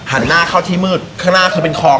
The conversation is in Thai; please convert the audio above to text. หันหน้าเข้าที่มืดข้างหน้าคือเป็นคลอง